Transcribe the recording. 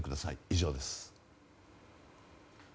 以上です。